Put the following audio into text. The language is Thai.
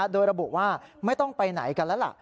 โดยระบุว่าไม่ต้องไปไหนกันแล้วล่ะ